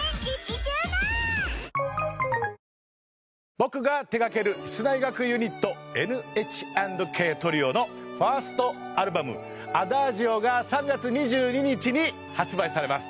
僕が手がける室内楽ユニット「ＮＨ＆ＫＴＲＩＯ」のファーストアルバム『Ａｄａｇｉｏ』が３月２２日に発売されます。